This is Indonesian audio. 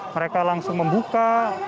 mereka langsung membuka